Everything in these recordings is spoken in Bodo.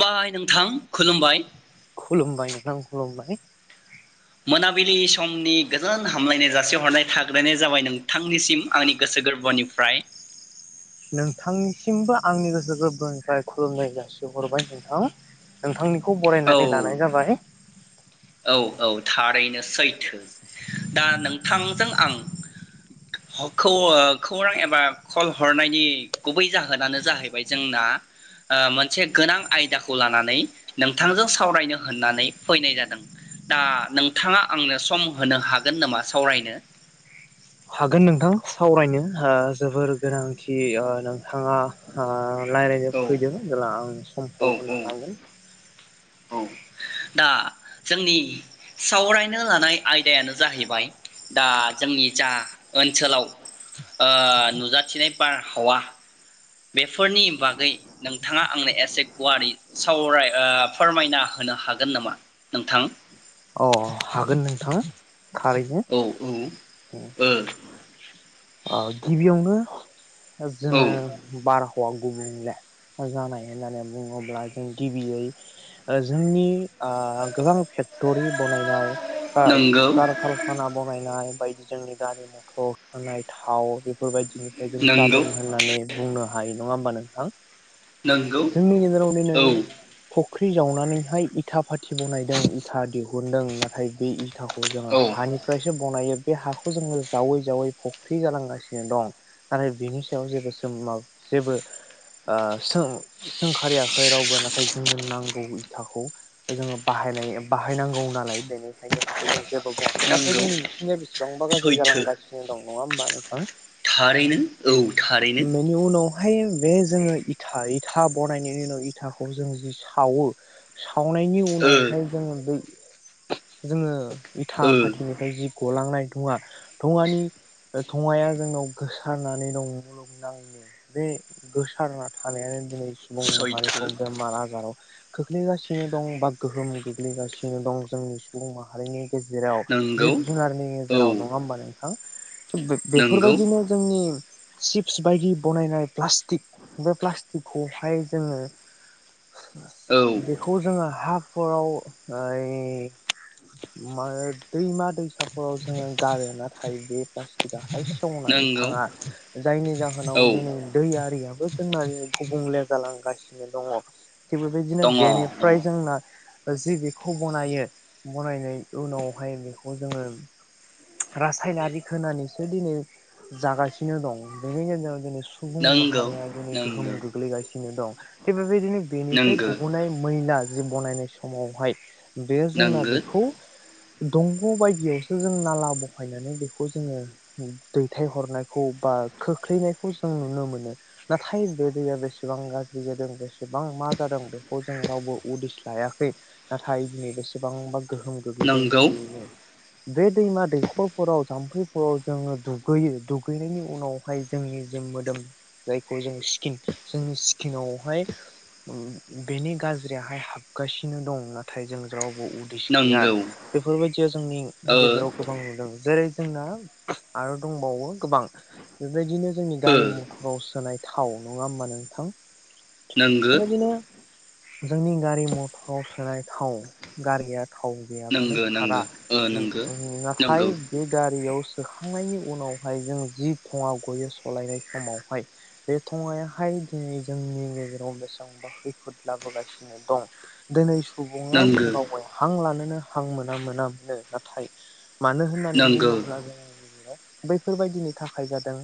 बाय नोंथां खुलुमबाय। खुलुमबाय नोंथां खुलुमबाय। मोनाबिलि समनि गोजोन हामलायनाय जासिहरनाय थाग्रोनायानो जाबाय नोंथांनिसिम आंनि गोसो गोरबोनिफ्राय। नोंथांनिसिमबो आंनि गोसो गोरबोनिफ्राय खुलुमनाय जासिहरबाय नोंथां। नोंथांनि खौ औ बरायनानै लानाय जाबाय। औ औ थारैनो सैथो। दा नोंथांजों आं ह- खौ-खौरां एबा कल औ औ हरनायनि गुबै जाहोनानो जाहैबाय जोंना ओ मोनसे गोनां आयदाखौ लानानै नोंथांजों सावरायनो होननानै फैनाय जादों। दा नोंथाङा आंनो सम होनो हागोन नामा सावरायनो? हागोन नोंथां सावरायनो ओ जोबोर गोनांथि ओ नोंथाङा ओ औ लायरानोफैदो औ औ हागोन औ दा जोंनि सावरायनो लानाय आयदायानो जाहैबाय दा जोंनि जा ओनसोलाव नुजाथिनाय बारहावा बेफोरनि बागै नोंथाङा आंनो एसे गुवारै सावराय फोरमायना होनो हागोन नामा नोंथां अ हागोन नोंथां थारैनो औ औ ओ अ गिबियावनो औ जोङो बार गुबुंले जानाय होननानै बुङोब्ला जों गिबियै जोंनि गोबां फेकथरि बनायनाय नंगौ कारखारखाना बनायनाय बाय जोंनि गारि मथर थाव बेफोरबायदि बिनिफ्राय जों नंगौ जादों होननानै बुंनो हायो नङा होमबा नोंथां नंगौ जोंनि गेजेराव औ दिनै फख्रि जावनानैहाय इथा फाथि बनायदों था दिहुनदों नाथाय इथाखौ जोङो औ हानिफ्रायसो बनायो बे हाखौ जोङो जावै जावै फुख्रि जालांगासिनो दं नाथाय बिनि सायाव जेबो जेबो सों सोंखारियाखै रावबो नाथाय जोंनो नांगौ इथाखौ जोङो बाहायनाय बाहायनांगौ नालाय बेनिखायनो बेखौ जों जेबो बुङाखै नाथाय नंगौ जोंनि बेसेबांबा गाज्रि सैथो जालांगासिनो दं नङा होमबा नोंथां थारैनो औ थारैनो बेनि उनाव ओमफ्राय बे जोङो इथा इथा बनायनायनो उनाव इथाखौ जों जि सावो सावनायनि ओ उनावहाय जोङो इथा ओ फाथिनिफ्राय जिब गलांनाय थङा थङानि थङाया जोंनाव गोसारनानै दं मुलुगनाङैनो बे गोसारना थानायानो दिनै सुबुं सैथो माहारिखौ बेमार आजाराव खोख्लैगासिनो दं बा गोहोम सोलिगासिनो दं जोंनि सुबुं माहारिनि गेजेराव नंगौ जिब जुनारनि औ गेजेराव नङा होमबा नों थां बे नंगौ बेफोरबायदिनो जोंनि चिप्स बायदि बनायनाय प्लास्टिक बे प्लास्टिकखौहाय जोङो औ बेखौ जोङो हाफोराव ओइ मा दैमा दैसाफोराव जोङो गारो नाथाय बे प्लासटिक आ खाय संनानै नंगौ थाङा जायनि जाहोनाव औ दिनै दै आरिया बो जोंना गुबुंले जालांगासिनो दङ। थिग बेबायदिनो दङ दङ बेनिफ्राय जोंना जिबि खौ बनायो बनायनायनि उनावहाय बेखौ जोङो रासायनारि होनानैसो दिनै जागासिनो दं बेनि गेजेराव दिनै सुबुं नंगौ माहारिया दिनै गोहोम नंगौ गोग्लैगासि नो दं थि बेब बायदिनो बेनिफ्राय गब'नाय मैला जि बनायनाय समावहाय बे जोंना नंगो बेखौ दंग' बायदियावसो जों नाला बहायनानै बेखौ जोङो दैथायहरनायखौ बा खोख्लैनायखौ जों नुनो मोनो नाथाय बे दैया बेसेबां गाज्रि जादों बेसेबां मा जादों बेखौ जों रावबो उदिस लायाखै। नाथाय दिनै बेसेबांबा गोहोम गोग्लैदों नंगो बे दैमा दैखरफोराव जाम्फैफोराव जोङो दुगैयो दुगैनायनि उनावहाय जोंनि जे मोदोम जायखौ जों स्किन जोंनि स्किनावहाय उम्म बेनि गाज्रियाहाय हाबगासिनो दं ना थायजों ज्राव उदिस नंगौ गैया बेफोरबायदिया जोंनि ओ ओ गेजेराव गोबां नुदों जेरै जोंना आरो दंबावो गोबां बेबायदिनो जोंनि गारि मथराव सोनाय थाव नङा होमबा नोंथां? नोंगो आरोबिनो जोंनि गारि मथर सोलाय थाव गारियाथ थाव गैयाबानो नोंगो खारा नोंगो ओ नोंगो उम्म नाथाय नंगौ बे गारियाव सोखांनायनि उनावहाय जों जि थङा गयो सलायनाय समावहाय बे थङायाहाय दिनै जोंनि गेजेराव बेसेबांबा खैफोद लाबोगासिनो दं दोनै सुबुङा नोंगो गागाय हां लानोनो हां मोना मोना मोनो नाथाय मानो होननानै नोंगौ बुङोब्ला जोंनि गेजेराव बै बेफोरबायदिनि थाखाय जादों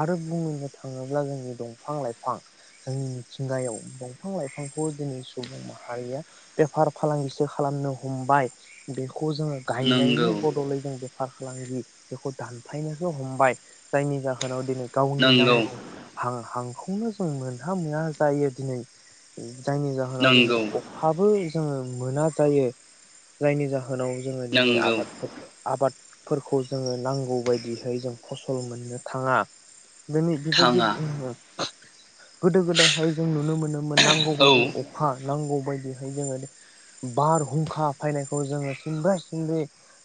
आरो बुंनो थाङोब्ला जोंनि दंफां लाइफां जोंनि मिथिंगायाव दंफां लाइफांखौ दिनै सुबुं माहारिया बेफार फालांगिसो खालामनो हमबाय बेखौ जोङो नोंगौ गायनायनि बदलै जों बे फार फालांगि बेखौ दानफायनोसो हमबाय जायनि जाहोनाव दिनै गावनि नोंगौ नांगौ हां बेखौनो जों मोनहा मोनहा जायो दिनै। जायनि जाहोनाव दिनै नोंगौ अफाब ओ मोना जायो जायनि जाहोनाव होनाव जोङो दिनै नोंगौ आबाद फो आबाद फोरखौ जोङो नांगौ बायदियैहाय जों फसल मोननो थाङा। नों इदिखौ थाङा जेबो बुंनो थाङा। गोदो गोदायहाय जों नुनो मोन नो मोन औ नांगौबायदि अखा नांगौ। बायदि फाय जोङो बारहुंखा फैनायखौ जोङो सिनब्रे-सिनब्रा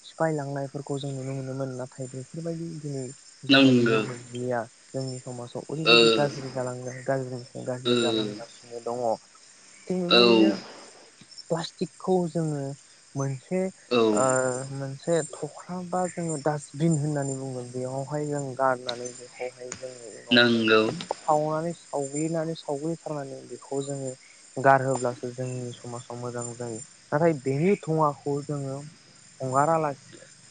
सिफायलांनायफोरखौ जों नुनो मोनोमोन नाथाय बेफोरबायदि दिनै जोङो नुनो नोंगो मोनलिया। जोंनि समाज ओ ओरैबायदि गाज्रि जालांदों गाज्रि ओ गाज्रि जालांगासिनो दङ। बेबायदिनो औ प्लास्टिकखौ जोङो मोन ए औ ओ मोन ए थख्रा बा जोङो डासटबिन होननानै बुङो बेयावहाय जों गारनानै बेखौहाय जों उनावहाय नोंगौ सावनानै सावग्लिनानै सावग्लि थांनानै बेखौ जोङो गारहोब्लासो जोंनि समाजाव मोजां जायो नाथाय बेनि धुङाखौ जोङो हगारालास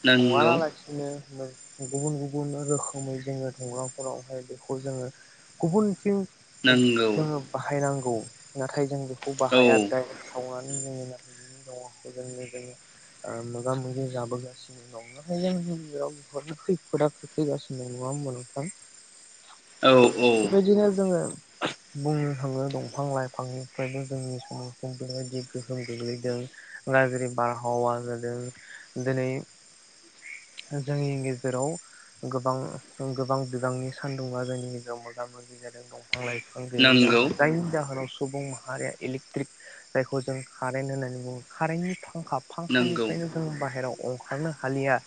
नोंगौ हगारा लासिनो मो गुबुन गुबुन रोखोमै जोङो धंङाफोरावहाय बेखौ जोङो गुबुनथिं ओ नोंगौ जोङो बाहायनांगौ। नाथाय जों बेख खौ बाहाया औ सावनानै [unintelligible] ओ मोगा-मोगि जाबोगासिनो दं नाथाय जोंनि गेजेराव खैफोदा खोख्लैगासिनो दं नङा होमबा नोंथां? औ औ बेबायदिनो जोङो बुंनो थाङो दंफां लाइफांनिफ्रायबो जोंनि समाव बेबायदि गोहोम गोग्लैदों गाज्रि बारहावा जादों दिनै जोंनि गेजेराव गोबां गोबां बिबांनि सानदुङा जोंनि गेजेराव मोगा-मोगि जादों दं फां लाइफां गैयैनि नोंगौ जाहोनाव जायनि जाहोनाव सुबुं मा माहारिया इलिक ट्रिक जायखौ जों कारेन्ट होननानै बुङो। कारेन्टनि थाख फांखा नोंगौ फांखानिफ्रायनो जों बाहेरायाव अंखारनो हालिया।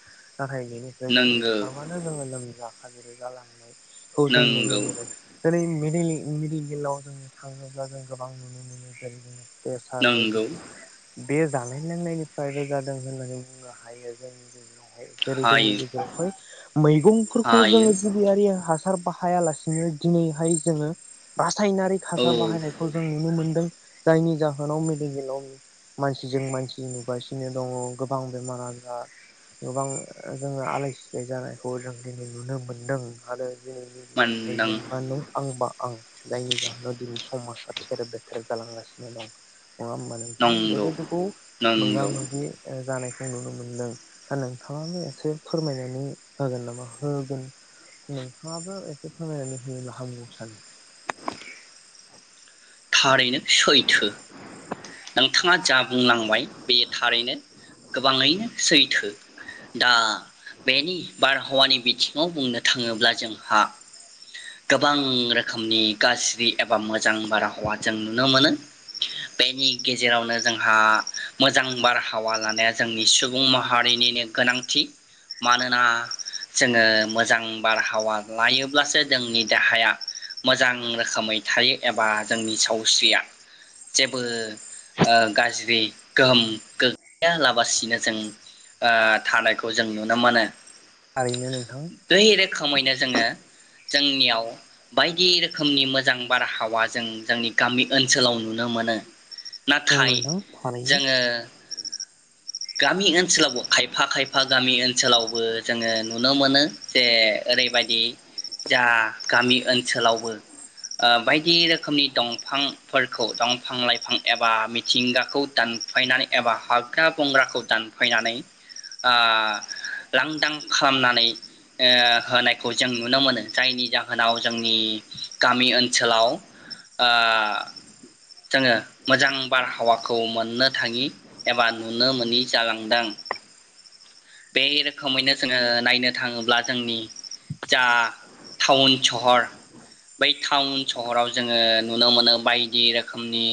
नाथाय बेनिफ्राय जों नोंगो ओंखारबानो जोङो लोमजा हाजिरै गालांनाय खौ जों नुनो नोंगौ मोनो दिनै - मेडिकेलाव जोङो थाङोब्ला जों गोबां नुनो मोनो जेरै [inaudible] प्रेसार नोंगौ बायदिखौ बे जानाय लोंनायनिफ्रायबो जादों होननानै बुंनो हायो जोंनि गेजेराव। जेरै जोंनि हायो गेजावहाय मैगं फोरखौ जों हायो जिबियारि हासार बाहायालासिनो दिनैहाय जोङो सायनारि औ हासार बाहायनायखौ जों नुनो मोन्दों। जायनि जाहोनाव मेडिकेलाव मानसिजों मानसि नुगासिनो दङ गोबां बेमार आजार गोबां जोङो आलाय सिलाय जानायखौ जों दिनै नुनो मोनदों आरो दिनैनि दिनावहाय मोनदां नों बा आंबा आं जायनि जाहोनाव दिनै समाजा थेर बेथेर जालांगासिनो गोबां नङा होमबा नोंथां नंगौ बेबायदिखौ मोगा नंगौ मोगि जानाय नुनो मोनदों दा नोंथाङाबो एसे फोरमायनानै होगोन नामा होगोन नोंथाङाबो एसे फोरमायनानै होयोब्ला हामगौ सानो। थारैनो सैथो नोंथाङा जा बुंलांबाय बे थारैनो गोबाङैनो सैथो दा बेनि बार आबहावानि बिथिङाव बुंनो थाङोब्ला जोंहा गोबां रोखोमनि गाज्रि ए बा मोजां बारहावा जों नुनो मोनो। बेनि गेजेरावनो जोंहा मोजां बारहावा लानाया जोंनि सुबुं माहारिनिनो गोनांथि मानोना जोङो मोजां बारहावा लायोब्लासो जोंनि देहाया मोजां रोखोमै थायो एबा जोंनि सावस्रिया जेबो गाज्रि गोहोम गोग्लैयालाबासिनो जों थानायखौ जों नुनो मोनो। थारैनो नोंथां बै रोखोमैनो जोङो जोंनियाव बायदि रोखोमनि मोजां बारहावा जों जोंनि गामि ओनसोलाव नुनो मोनो औ नाथाय नोंथां थारैनो जोङो गामि ओनसोलावबो खायफा खायफा गामि ओनसोलावबो जोङो नुनो मोनो जे ओरैबायदि जा गामि ओनसोलावबो ओ बायदि रोखोमनि दंफांफोरखौ दंफां लाइफां एबा मिथिंगाखौ दानफायनानै एबा हाग्रा बंग्राखौ दानफायनानै ओ लांदां खालामनानै होनायखौ जों नुनो मोनो जायनि जाहोनाव जोंनि गामि ओनसोलाव ओ जोङो मोजां बारहावाखौ मोननो थाङि एबा नुनो मोनोनि जालांदों बे रोखोमैनो जोङो नायनो थाङोब्ला जोंनि जा टाउन सहर बै टाउन सहराव जोङो नुनो मोनो बायदि रोखोमनि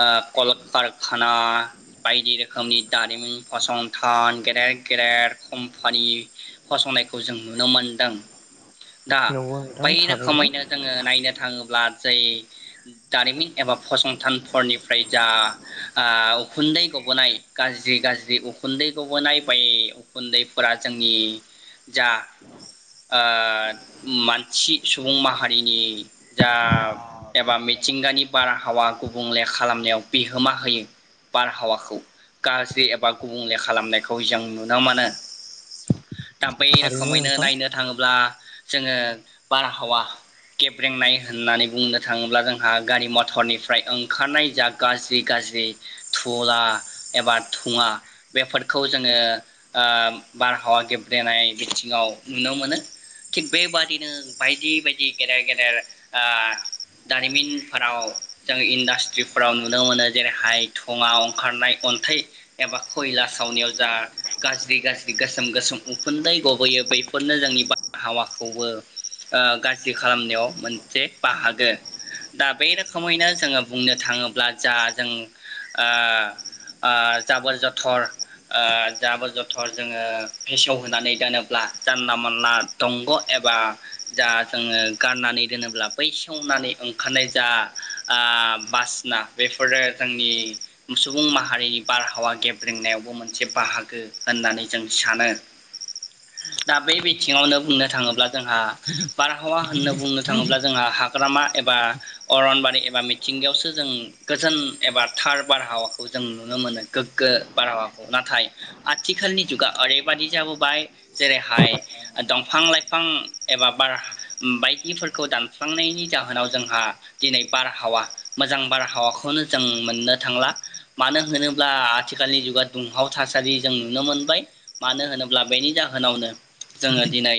ओ कलकारखाना बायदि रोखोमनि दारिमिन फसंथान गेदेर गेदेर कम्पानि फसंनायखौ जों नुनो मोनदों दा नंगौ नोंथां बै थारैनो रोखोमैनो जोङो नायनो थाङो ब्ला जै दारिमिन एबा फसंथानफोरनिफ्राय जा ओ उखुन्दै गबोनाय गाज्रि गाज्रि उखुन्दै गबोनाय बै उखुन्दैफोरा जोंनि जा ओ मानसि सुबुं माहारिनि जा एबा मिथिंगानि बारहावा गुबुंले खालामनायाव बिहोमा होयो बारहावाखौ गाज्रि एबा गुबुंले खालामनायखौ जों नुनो मोनो थाम्फै थारैनो रोखोमैनो नोंथां नायनो थाङोब्ला जोङो बारहावा गेब्रेंनाय होननानै बुंनो थाङोब्ला जोंहा गारि मटरनिफ्राय ओंखारनाय जा गाज्रि गाज्रि थुला एबा धुवा बेफोरखौ जोङो बारहावा गेब्रेनाय बिथिङाव नुनो मोनो थिग बेबादिनो बायदि बायदि गेदेर गेदेर ओ दारिमिनफोराव जों इन्डास्ट्रिफोराव नुनो मोनो जेरैहाय धुवा ओंखारनाय अन्थाइ एबा खयला सावनायाव जा गाज्रि गाज्रि गोसोम गोसोम उखुन्दै गबोयो बैफोरनो जोंनि बार हावाखौबो ओ गाज्रि खालामनायाव मोनसे बाहागो दा बे रोखोमैनो जोङो बुंनो थाङोब्ला जा जों ओ ओ जाबोर जथर ओ जाबोर जथर जोङो फेसव होनानै दानोब्ला जानला मोनला दंग' एबा जा जोङो गारनानै दोनोब्ला बै सेवनानै ओंखारनाय जा आ बासना बेफोरो जोंनि सुबुं माहारिनि बारहावा गेब्रेंंनायावबो मोनसे बाहागो होननानै जों सानो दा बे बिथिङावनो बुंनो थाङोब्ला जोंहा बारहावा होननो बुंनो थाङोब्ला जोंहा हाग्रामा एबा अरनबारि एबा मिथिंगायावसो जों गोजोन एबा थार बारहावाखौ जों नुनो मोनो गोग्गो बारहावाखौ नाथाय आथिखालनि जुगा ओरैबादि जाबोबाय जेरैहाय दंफां लाइफां एबा बार बायदिफोरखौ दानफ्लांनायनि जाहोनाव जोंहा दिनै बारहावा मोजां बारहावाखौनो जों मोननो थांला मानो होनोब्ला आथिखालनि जुगा दुंहाव थासारि जों नुनो मोनबाय मानो होनोब्ला बेनि जाहोनावनो जोङो दिनै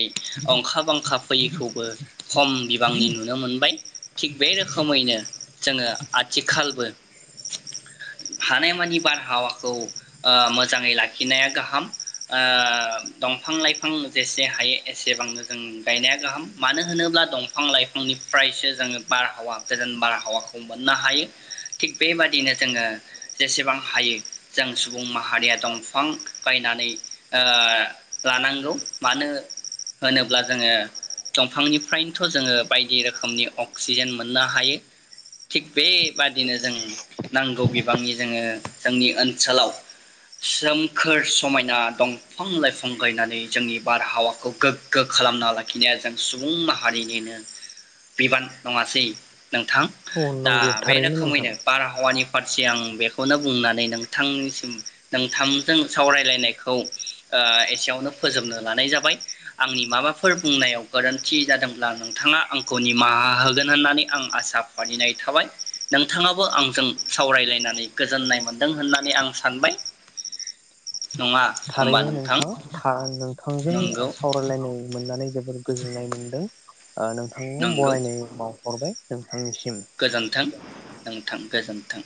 अंखा बांखा फैयैखौबो खम बिबांनि नुनो मोनबाय थिग बे रोखोमैनो जोङो आथिखालबो हानायमानि बारहावाखौ मोजाङै लाखिनाया गाहाम ओ दंफां लाइफां जे से हायो एसेबांनो जों गायनाया गाहाम मानो होनोब्ला दंफां लाइफांनिफ्रायसो जोङो बारहावा गोजान बारहावाखौ मोननो हायो थिग बेबादिनो जोङो जेसेबां हायो जों सुबुं माहारिया दंफां गायनानै ओ लानांगौ मानो होनोब्ला जोङो दंफांनिफ्रायनोथ' जोङो बायदि रोखोमनि अक्सिजेन मोननो हायो थिग बेबादिनो जों नांगौ बिबांनि जोङो जोंनि ओनसोलाव सोमखोर समायना दंफां लाइफां गायनानै जोंनि बारहावाखौ गोग्गो खालामना लाखिनाया जों सुबुं माहारिनिनो बिबान नङासै नोंथां औ दा नंगौ बे थारैनो नोंथां रोखोमैनो बारहावानि फारसे आं बेखौनो बुंनानै नोंथांनिसिम नोंथांजों सावरायलायनायखौ ओ एसेयावनो फोजोबनो लानाय जाबाय आंनि माबाफोर बुंनायाव गोरोन्थि जादोंब्ला नोंथाङा आंखौ निमाहा होगोन होननानै आं आसा फारिनाय थाबाय नोंथाङाबो आंजों सावरायलायनानै गोजोननाय मोनदों होननानै आं सानबाय नङा होमबा थारैनो नोंथां नोंथाङा थार नोंथां जों नंगौ सावरायलायनो मोननानै जोबोर गोजोननाय मोन्दों ओ नोंथांनो बरायनाय बाउ हरबाय नोंथां गोजोनथों नोंथां गोजोन्थों